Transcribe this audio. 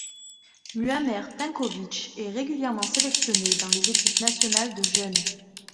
Muamer Tanković est régulièrement sélectionné dans les équipes nationales de jeunes.